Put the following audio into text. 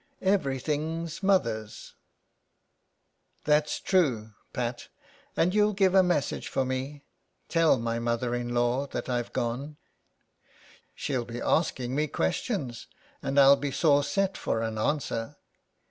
" Everthing's mother's." " That's true, Pat, and you'll give a message for me. Tell my mother in law that I've gone." " She'll be asking me questions and I'll be sore set for an answer."